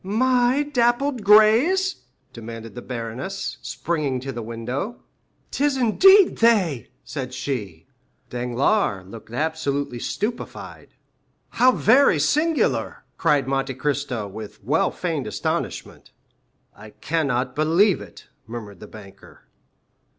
"My dappled grays?" demanded the baroness, springing to the window. "'Tis indeed they!" said she. Danglars looked absolutely stupefied. "How very singular," cried Monte Cristo with well feigned astonishment. "I cannot believe it," murmured the banker.